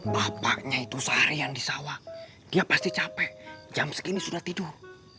bapaknya itu seharian di sawah dia pasti capek jam segini sudah tidur